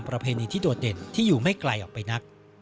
ประเพณีที่โดดเด่นที่อยู่ไม่ไกลออกไปนัก